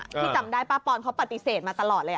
ที่จำได้ป้าปอนเขาปฏิเสธมาตลอดเลย